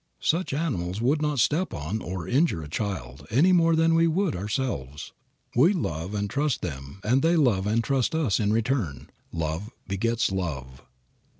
Such animals would not step on or injure a child any more than we would ourselves. We love and trust them and they love and trust us in return. Love begets love.